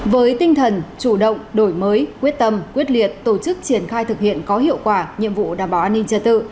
với tinh thần chủ động đổi mới quyết tâm quyết liệt tổ chức triển khai thực hiện có hiệu quả nhiệm vụ đảm bảo an ninh trật tự